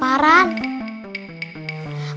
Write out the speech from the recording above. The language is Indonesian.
barang barang mereka sakit ya